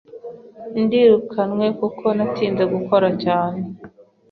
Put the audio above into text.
Ndirukanwe kuko natinze gukora cyane.